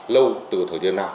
lâu từ thời gian nào